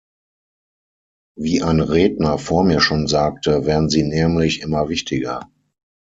Wie ein Redner vor mir schon sagte, werden sie nämlich immer wichtiger.